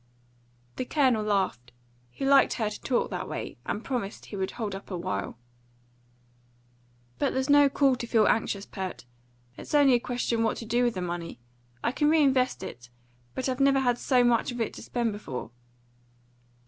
The Colonel laughed; he liked her to talk that way, and promised he would hold up a while. "But there's no call to feel anxious, Pert. It's only a question what to do with the money. I can reinvest it; but I never had so much of it to spend before."